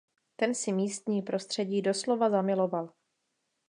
Ten si místní prostředí doslova zamiloval.